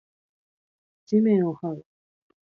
地面を這う